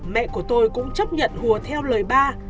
mẹ của tôi cũng chấp nhận hùa theo lời ba